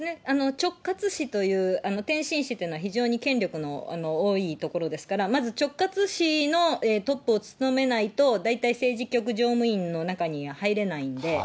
直轄市という、天津市っていうのは、非常に権力の多い所ですから、まず直轄市のトップを務めないと、大体政治局常務委員の中には入れないんで。